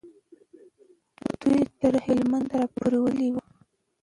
دوی تر هلمند را پورې وتلي وو.